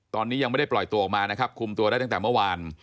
ตอนนี้ยังไม่ได้ปล่อยตัวออกมานะครับคุมตัวได้ตั้งแต่เมื่อวาน